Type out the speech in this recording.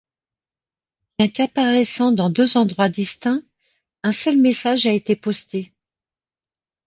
Bien qu'apparaissant dans deux endroits distincts, un seul message a été posté.